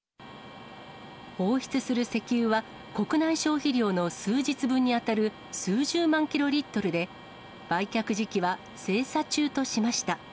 放出する石油は、国内消費量の数日分に当たる数十万キロリットルで、売却時期は精査中としました。